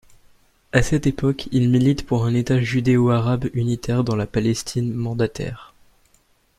À cette époque, il milite pour un État judéo-arabe unitaire dans la Palestine mandataire.